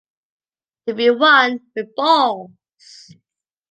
To be one with balls.